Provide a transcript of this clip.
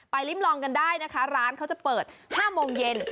ลิ้มลองกันได้นะคะร้านเขาจะเปิด๕โมงเย็น